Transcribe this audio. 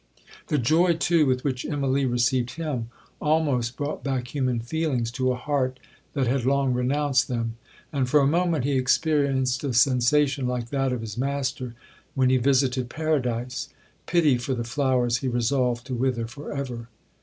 The joy, too, with which Immalee received him, almost brought back human feelings to a heart that had long renounced them; and, for a moment, he experienced a sensation like that of his master when he visited paradise,—pity for the flowers he resolved to wither for ever.